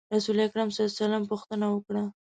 رسول اکرم صلی الله علیه وسلم پوښتنه وکړه.